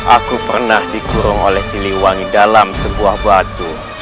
aku pernah dikurung oleh siliwangi dalam sebuah batu